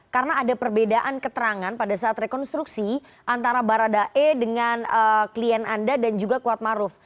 karena ada perbedaan keterangan pada saat rekonstruksi antara baradae dengan klien anda dan juga kuatmaruf